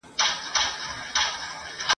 په كوڅه كي څراغ نه وو توره شپه وه !.